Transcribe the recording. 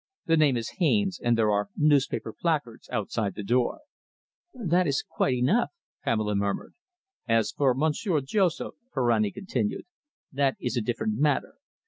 The name is Haines, and there are newspaper placards outside the door." "That is quite enough," Pamela murmured. "As for Monsieur Joseph," Ferrani continued, "that is a different matter.